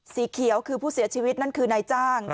สีเขียวคือผู้เสียชีวิตนั่นคือนายจ้าง